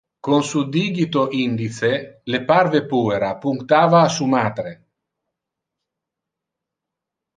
Con su digito indice, le parve puera punctava a su matre.